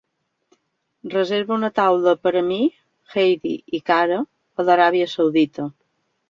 reserva una taula per a mi, heidi i cara a l'Aràbia Saudita